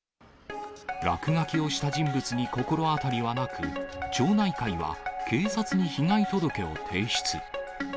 落書きをした人物に心当たりはなく、町内会は、警察に被害届を提出。